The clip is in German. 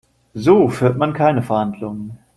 So führt man keine Verhandlungen.